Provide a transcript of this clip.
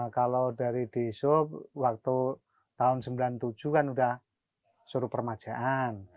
kalau dari di sub waktu tahun seribu sembilan ratus sembilan puluh tujuh kan udah suruh permajaan